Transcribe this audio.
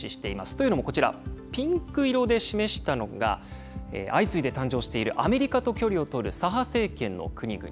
というのもこちら、ピンク色で示したのが、相次いで誕生しているアメリカと距離をとる左派政権の国々。